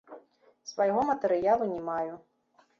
Свайго матэрыялу не маю.